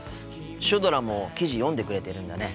シュドラも記事読んでくれてるんだね。